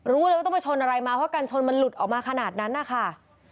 รู้เลยว่าต้องไปชนอะไรมาเพราะกันชนมันหลุดออกมาขนาดนั้นนะคะ